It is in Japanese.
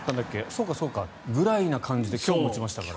そうかそうか、みたいな感じで今日も打ちましたから。